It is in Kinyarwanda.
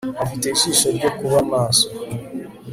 Afite ijisho ryo kuba maso